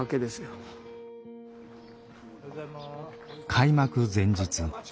開幕前日。